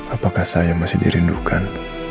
apakah saya masih dirindukan